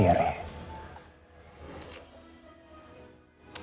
buka puasa sendiri